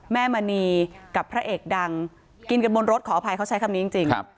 แม่มณีกับพระเอกดังกินกันบนรถขออภัยเขาใช้คำนี้จริง